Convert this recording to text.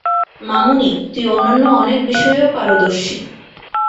মামুনি, তুই অন্যান্য অনেক বিষয়েও পারদর্শী।